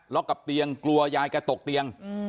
กับเตียงกลัวยายแกตกเตียง